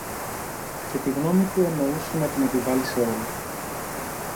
Και τη γνώμη του εννοούσε να την επιβάλλει σε όλους